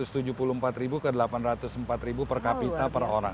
rp satu ratus tujuh puluh empat ke delapan ratus empat per kapita per orang